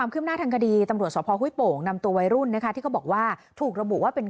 ใช่ตลอดทางแย่ครับเพราะว่ามัน